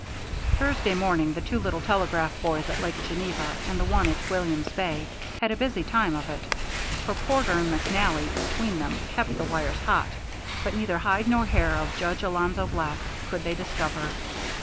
Thursday morning the two little telegraph boys at Lake Geneva and the one at William's Bay had a busy time of it, for Porter and McNally between them kept the wires hot; but neither hide nor hair of Judge Alonzo Black could they discover.